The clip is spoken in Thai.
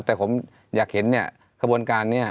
แต่ผมอยากเห็นเนี่ยขบวนการนี้